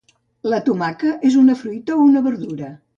La tomaca és una fruita o una verdura?